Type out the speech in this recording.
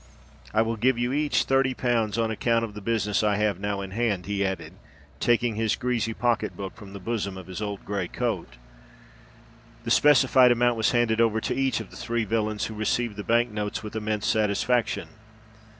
I will give you each thirty pounds on account of the business I have now in hand," he added, taking his greasy pocket book from the bosom of his old grey coat. The specified amount was handed over to each of the three villains, who received the bank notes with immense satisfaction.